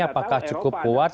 apakah cukup kuat